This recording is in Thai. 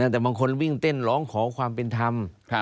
แต่บางคนวิ่งเต้นร้องขอความเป็นธรรม